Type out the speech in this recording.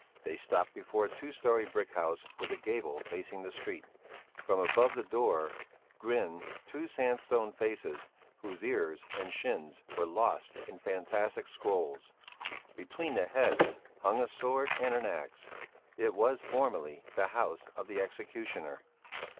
They stopped before a two storied brick house with a gable facing the street. From above the door grinned two sandstone faces whose ears and shins were lost in fantastic scrolls. Between the heads hung a sword and an axe. It was formerly the house of the executioner.